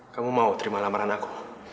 kamu mau terima lamaran aku